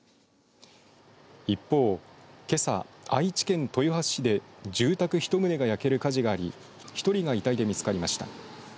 一方、けさ愛知県豊橋市で住宅１棟が焼ける火事があり１人が遺体で見つかりました。